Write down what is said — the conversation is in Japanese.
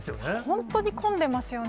本当に混んでますよね。